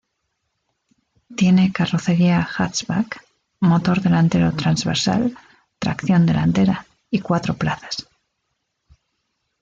Tiene carrocería hatchback, motor delantero transversal, tracción delantera y cuatro plazas.